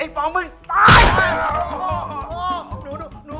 ไอ้ฝองมึงตาย